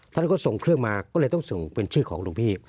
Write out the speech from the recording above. ท่านก็ส่งเครื่องมาก็เลยต้องส่งเป็นชื่อของหลวงพี่